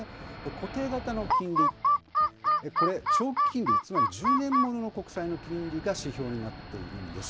固定型の金利、これ、長期金利、つまり１０年ものの国債の金利が指標になっているんです。